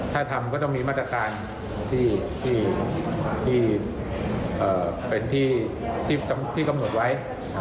ถ้าทำก็ต้องมีมาตรการที่เป็นที่กำหนดไว้